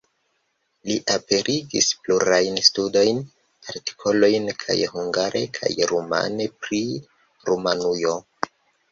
Li aperigis plurajn studojn, artikolojn kaj hungare kaj rumane pri Rumanujo.